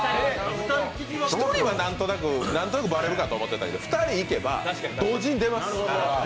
１人はなんとなくバレるかと思ってたけど、２人いけば、同時に出ますから。